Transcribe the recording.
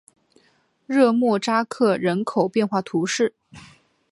热莫扎克人口变化图示